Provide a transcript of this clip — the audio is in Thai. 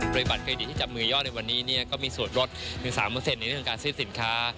โดยบัตรเครดิตที่จับมือยอดในวันนี้ก็มีส่วนลดถึง๓ในเรื่องการซื้อสินค้า